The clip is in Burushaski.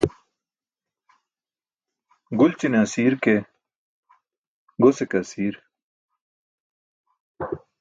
Gulćine asiir ke gose ke asiir.